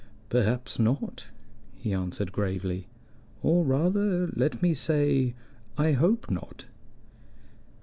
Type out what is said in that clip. "Perhaps not," he answered gravely. "Or, rather let me say, I hope not."